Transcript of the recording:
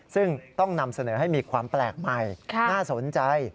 ซึ่งต้องนำเสนอให้มีความแปลกใหม่น่าสนใจ